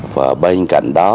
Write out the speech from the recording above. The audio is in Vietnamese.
và bên cạnh đó